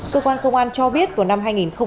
cơ quan công an cho biết vào năm hai nghìn một mươi tám